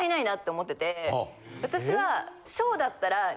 私は。